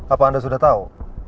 apa anda sudah tau